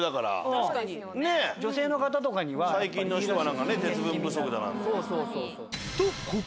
最近の人は鉄分不足だなんて。